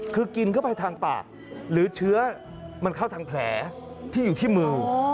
คือกินเข้าไปทางปากหรือเชื้อมันเข้าทางแผลที่อยู่ที่มือ